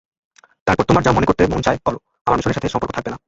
তারপর তোমার যা করতে মন চায় করো, আমার মিশনের সাথে সম্পর্ক থাকবে না।